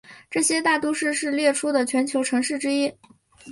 这座大都市是列出的全球城市之一。